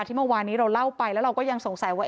เมื่อวานนี้เราเล่าไปแล้วเราก็ยังสงสัยว่า